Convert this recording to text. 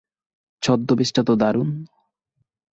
ছদ্দবেশ টা তো দারুন!